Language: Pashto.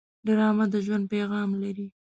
ډرامه د ژوند پیغام لري